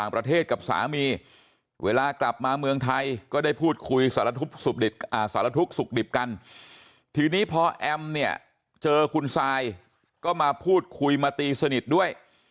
พูดคุยสารทุกข์สุขดิบกันทีนี้พอแอมเนี้ยเจอคุณทรายก็มาพูดคุยมาตีสนิทด้วย